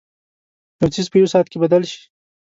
یو څیز په یوه ساعت کې بدل شي.